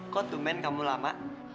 kok dumen kamu lama